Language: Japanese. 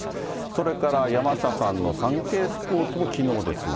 それから山下さんのサンケイスポーツもきのうですが。